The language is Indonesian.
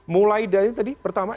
mulai dari tadi pertama